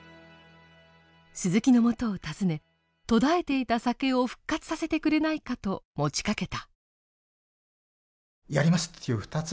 鈴木のもとを訪ね途絶えていた酒を復活させてくれないかと持ちかけた。